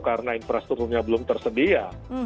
karena infrastrukturnya belum tersedia